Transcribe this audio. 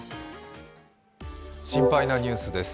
心配なニュースです。